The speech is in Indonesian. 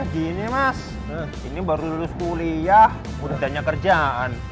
gini emas ini baru lulus kuliah udah ditanya kerjaan